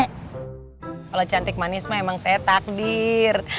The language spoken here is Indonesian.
kalau cantik manis mah emang saya takdir